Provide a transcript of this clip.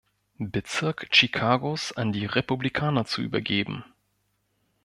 Bezirk Chicagos an die Republikaner zu übergeben.